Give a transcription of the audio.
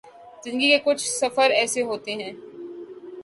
زندگی کے کچھ سفر ایسے ہوتے ہیں